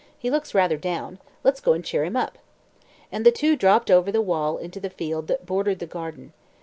"He looks rather down; let's go and cheer him up," and the two dropped over the wall into the field that bordered the garden.